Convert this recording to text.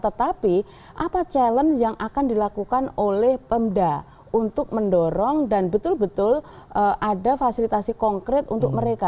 tetapi apa challenge yang akan dilakukan oleh pemda untuk mendorong dan betul betul ada fasilitasi konkret untuk mereka